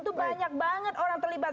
itu banyak banget orang terlibat